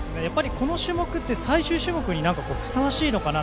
この種目って最終種目にふさわしいのかな。